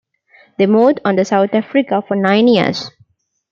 They moved on to South Africa for nine years.